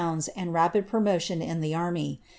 and rapid promotion in the army.